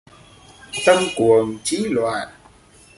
Tâm cuồng, trí loạn.